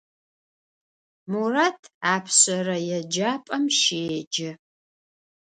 Мурат апшъэрэ еджапӏэм щеджэ.